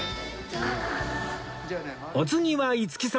お次は五木さん。